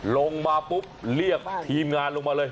ลงมาปุ๊บเรียกทีมงานลงมาเลย